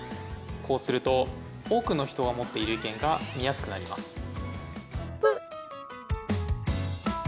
こうすると多くの人が持っている意見が見やすくなります。